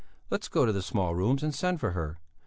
Let's go to the small rooms and send for her.